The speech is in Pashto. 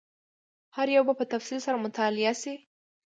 هر یو به په تفصیل سره مطالعه شي.